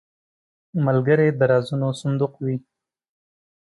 ملګری د رازونو صندوق وي